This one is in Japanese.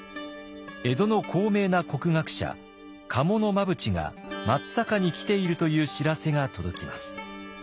江戸の高名な国学者賀茂真淵が松坂に来ているという知らせが届きます。